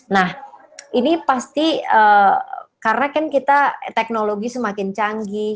nah ini pasti karena kan kita teknologi semakin canggih